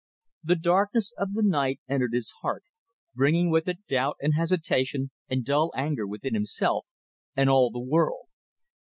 The darkness of the night entered his heart, bringing with it doubt and hesitation and dull anger with himself and all the world.